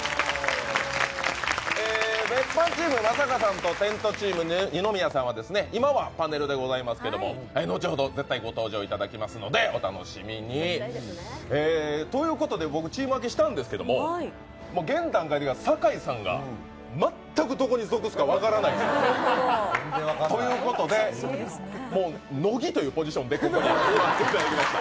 別班チーム、松坂さんと二宮さんは今はパネルでございますけれども、後ほどご登場いただきますので、お楽しみに。ということで、僕チーム分けしたんですけど現段階、堺さんが全くどこに属すか分からないということで乃木というポジションでここにさせていただきました。